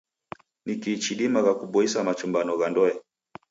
Ni kii chidimagha kuboisa machumbano gha ndoe?